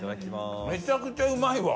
めちゃくちゃうまいわ！